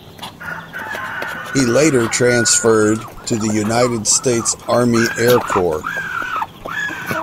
He later transferred to the United States Army Air Corps.